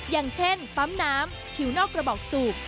อย่างเช่นปั๊มน้ำผิวนอกกระบอกสูบ